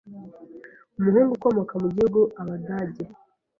umuhungu ukomoka mu gihugu abadage